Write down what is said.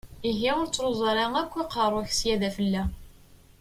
Ihi ur ttṛuẓu ara akk aqeṛṛu-k sya d afella!